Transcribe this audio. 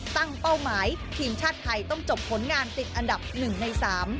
เป้าหมายทีมชาติไทยต้องจบผลงานติดอันดับ๑ใน๓